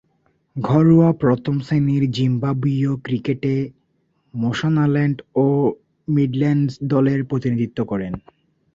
ঘরোয়া প্রথম-শ্রেণীর জিম্বাবুয়ীয় ক্রিকেটে ম্যাশোনাল্যান্ড ও মিডল্যান্ডস দলের প্রতিনিধিত্ব করেন।